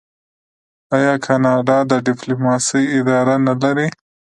آیا کاناډا د ډیپلوماسۍ اداره نلري؟